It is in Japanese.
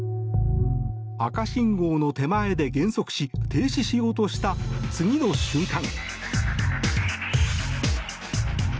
赤信号の手前で減速し停止しようとした次の瞬間。